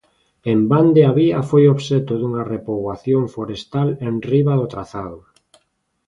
En Bande a Vía foi obxecto dunha repoboación forestal enriba do trazado.